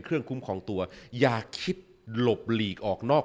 เครื่องคุ้มของตัวอย่าคิดหลบหลีกออกนอก